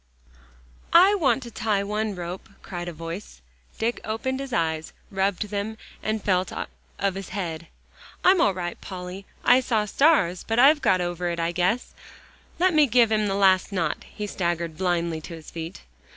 "I want to tie one rope," cried a voice. Dick opened his eyes, rubbed them, and felt of his head. "I'm all right, Polly. I saw stars, but I've got over it, I guess. Let me give him the last knot." He staggered blindly to his feet.